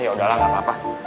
ya udahlah nggak apa apa